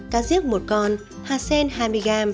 cá diếc một con hạt sen hai mươi g